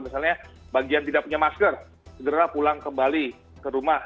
misalnya bagi yang tidak punya masker segera pulang kembali ke rumah